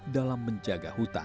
dalam menjaga hutan